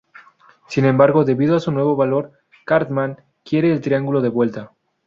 Sin embargo, debido a su nuevo valor, Cartman quiere el triángulo de vuelta.